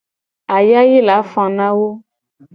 Ayayi la fa na wo.